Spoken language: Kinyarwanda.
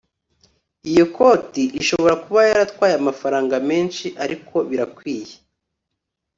iyo koti ishobora kuba yaratwaye amafaranga menshi, ariko birakwiye